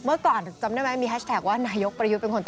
เมื่อก่อนจำได้ไหมมีแฮชแท็กว่านายกรัฐมนตรีเป็นคนตลก